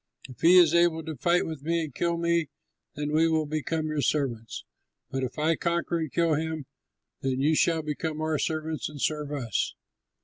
If he is able to fight with me and kill me, then we will become your servants; but if I conquer and kill him, then you shall become our servants and serve us."